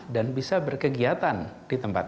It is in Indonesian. dan bisa berkegiatan di tempat itu